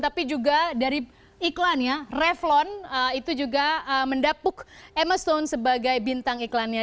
tapi juga dari iklannya revlon itu juga mendapuk emma stone sebagai bintang iklannya